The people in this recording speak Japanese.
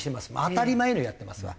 当たり前のようにやってますわ。